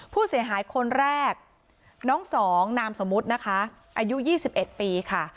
ผู้เสียหายคนแรกน้องสองนามสมมุตินะคะอายุ๒๑ปีค่ะ